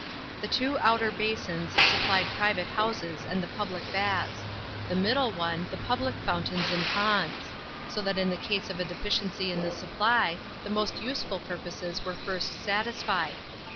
Th* two outer basins suppl'ed private ho ises and the public baths; the middle one, the public fountains and ponds; so tnat in the case of a deficiency in the supph , t1 e most useful purposes were first satisfied.